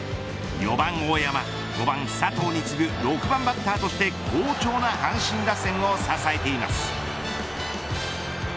４番大山、５番佐藤に次ぐ６番バッターとして好調な阪神打線を支えています。